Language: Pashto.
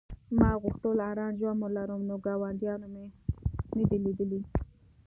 ما غوښتل ارام ژوند ولرم نو ګاونډیان مې نه دي لیدلي